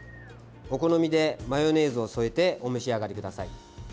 お好みで、マヨネーズを添えてお召し上がりください。